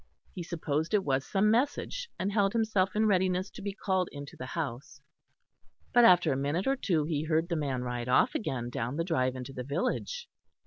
He supposed it was some message, and held himself in readiness to be called into the house, but after a minute or two he heard the man ride off again down the drive into the village.